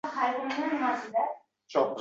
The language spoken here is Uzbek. Deb yozib qo’ying